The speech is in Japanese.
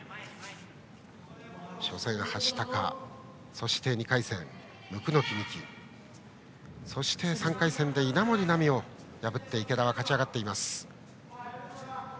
初戦は橋高そして２回戦、椋木美希そして３回戦で稲森奈見を破って池田は勝ち上がっています。